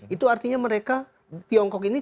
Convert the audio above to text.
itu artinya mereka tiongkok ini